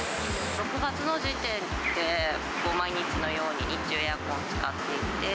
６月の時点で、毎日のように日中、エアコン使ってて。